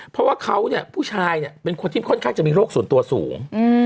เพราะว่าเขาเนี่ยผู้ชายเนี่ยเป็นคนที่ค่อนข้างจะมีโรคส่วนตัวสูง